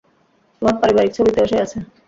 তোমার পারিবারিক ছবিতেও সে আছে।